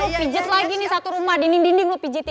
lo pijet lagi nih satu rumah di ninding dinding lo pijetin